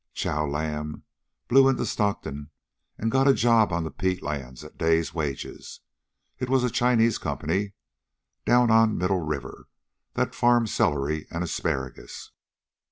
Chow Lam blew into Stockton and got a job on the peat lands at day's wages. It was a Chinese company, down on Middle River, that farmed celery and asparagus.